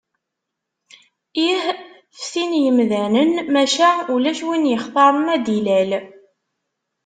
Ih, ftin yemdanen, maca ulac win yextaren ad d-ilal.